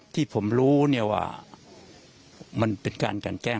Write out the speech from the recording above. ที่ผมรู้ว่ามันเป็นการแกนแกน